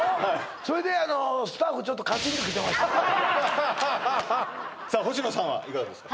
それであのちょっとさあ保科さんはいかがですか？